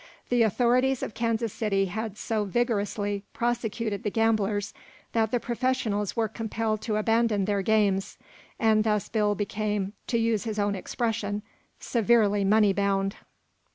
The authorities of Kansas City had so vigorously prosecuted the gamblers that the professionals were compelled to abandon their games, and thus Bill became, to use his own expression, "severely money bound."